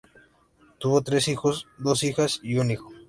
Tuvo tres hijos, dos hijas y un hijo.